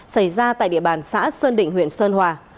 xảy ra tại địa bàn xã sơn định huyện sơn hòa